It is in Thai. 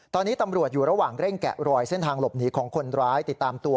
ตอนนี้ตำรวจอยู่ระหว่างเร่งแกะรอยเส้นทางหลบหนีของคนร้ายติดตามตัว